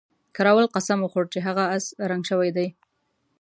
کراول قسم وخوړ چې هغه اس رنګ شوی دی.